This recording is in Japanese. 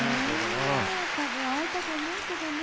多分会えたと思うけどね。